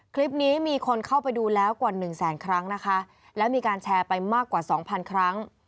คลิปนี้มีคนเข้าไปดูแล้วกว่าหนึ่งแสนครั้งนะคะแล้วมีการแชร์ไปมากกว่าสองพันครั้ง